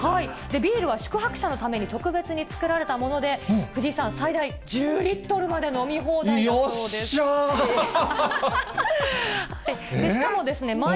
ビールは宿泊者のために特別に造られたもので、藤井さん、最大１０リットルまで飲み放題だよっしゃー！